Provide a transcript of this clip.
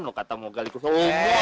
lu kata mogal itu seumur